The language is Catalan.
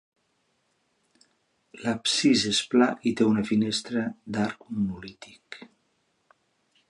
L'absis és pla i té una finestra d'arc monolític.